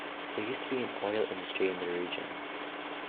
There used to be an oil industry in the region.